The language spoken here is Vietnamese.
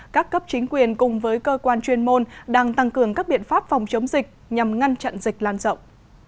các cấp chính quyền cùng với cơ quan chuyên môn đang tăng cường các biện pháp phòng chống dịch nhằm ngăn chặn dịch lan rộng